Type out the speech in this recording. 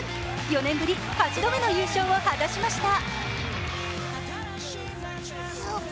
４年ぶり８度目の優勝を果たしました。